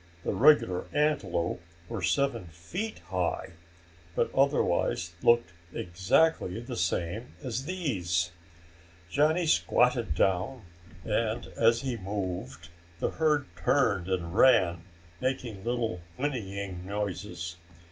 The regular antelope were seven feet high, but otherwise looked exactly the same as these. Johnny squatted down and, as he moved, the herd turned and ran, making little whinnying noises.